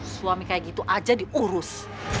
suami kayak gitu aja diurus